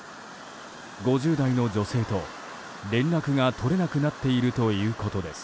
５０代の女性と連絡が取れなくなっているということです。